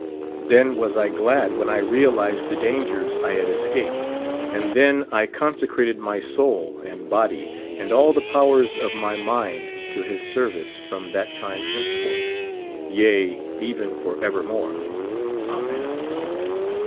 Then was I glad when I realized the dan gers I had escaped ; and then I consecrated my soul and body, and all the powers of my mind to his service, from that time henceforth ; yea, even for evermore. Amen.